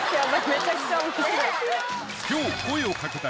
めちゃくちゃ面白い。